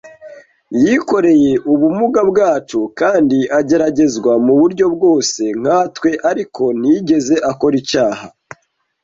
Yikoreye ubumuga bwacu kandi ageragezwa mu buryo bwose nka twe ariko ntiyigeze akora icyaha.